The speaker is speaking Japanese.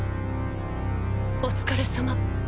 お疲れさま。